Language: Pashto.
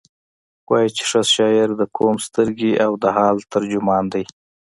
وایي چې ښه شاعر د قوم سترګې او د حال ترجمان دی.